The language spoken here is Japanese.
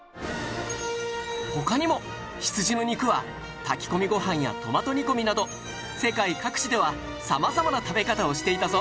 他にも羊の肉は炊き込みご飯やトマト煮込みなど世界各地では様々な食べ方をしていたぞ！